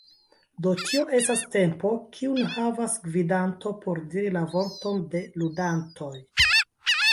Do tio estas tempo kiun havas gvidanto por diri la vorton de ludantoj.